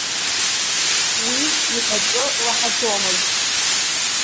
Уи иҳәатәы лаҳаӡомызт.